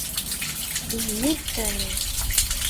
Yezzi-d Sami.